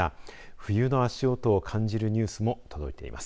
冬の足音を感じるニュースも届いています。